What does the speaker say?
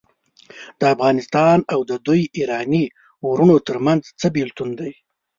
د افغانانو او د دوی ایراني وروڼو ترمنځ څه بیلتون دی.